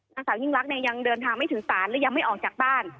นางสาวยิ่งรักเนี่ยยังเดินทางไม่ถึงศาลและยังไม่ออกจากบ้าน